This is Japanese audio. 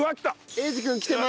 英二君きてます。